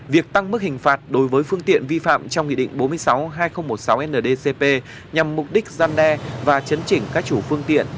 việc tăng mức hình phạt đối với phương tiện vi phạm trong nghị định bốn mươi sáu hai nghìn một mươi sáu ndcp nhằm mục đích gian đe và chấn chỉnh các chủ phương tiện